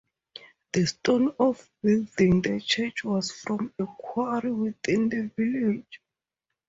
The stone for building the church was from a quarry within the village.